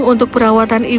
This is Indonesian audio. apa juga berlatih di espi